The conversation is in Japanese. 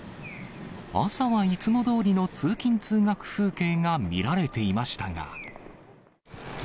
朝はいつもどおりの通勤・通学風景が見られていましたが。